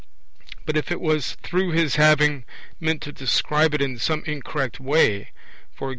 But if it was through his having meant to describe it in some incorrect way (e.g.